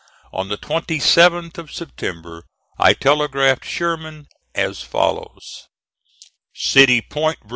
On the 27th of September I telegraphed Sherman as follows: CITY POINT, VA.